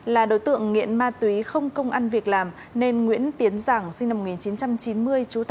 là đối tượng nghiện ma túy không công ăn việc làm nên nguyễn tiến giảng sinh năm một nghìn chín trăm chín mươi